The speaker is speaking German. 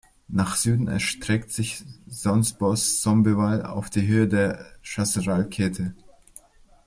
Nach Süden erstreckt sich Sonceboz-Sombeval auf die Höhe der Chasseral-Kette.